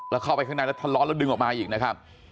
แล้วเข้าไปข้างในแล้วทะร้อนแล้วดึงออกมาอีกนะครับ